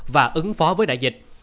và ứng phó với đại dịch